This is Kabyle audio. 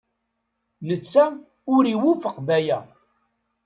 Netta ur iwufeq Baya.